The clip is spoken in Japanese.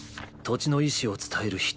土地の意志を伝える人」。